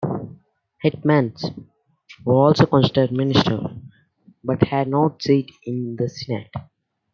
Hetmans were also considered "ministers" but had no seat in the "Senat".